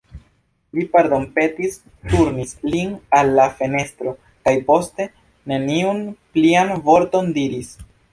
Li pardonpetis, turnis sin al la fenestro, kaj poste neniun plian vorton diris.